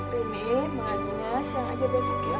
rini mengajinya siang aja besok ya